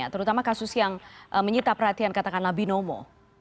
terutama kasus yang menyita perhatian katakanlah binomo